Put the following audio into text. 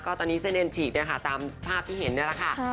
ตอนนี้เส้นเอ็นฉีกเนี่ยค่ะตามภาพที่เห็นนี่แหละค่ะ